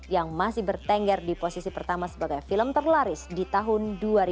yang masih bertengger di posisi pertama sebagai film terlaris di tahun dua ribu dua